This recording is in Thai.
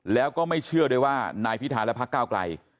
แล้วก็ไม่เชื่อด้วยว่านายพิธาและพักเก้าไกล